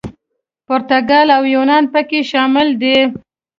پرتګال او یونان پکې شامل دي.